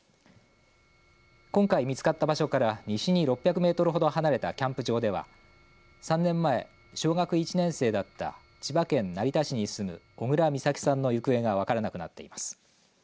今回、見つかった場所から西に６００メートルほど離れたキャンプ場では３年前、小学１年生だった千葉県成田市に住む小倉美咲さんの行方が分からなくなっています。